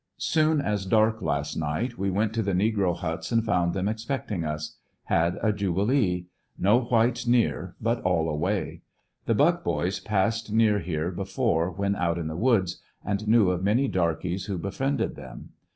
Soon as dark last night we went to the negro huts and found them expecting us. Had a jubilee. No whites near, but all away The Buck boys passed near here before when out in the woods, and knew of many darkys who befriended them.